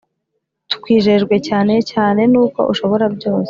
Tukwijejwe cyane cyane nuko ushobora byose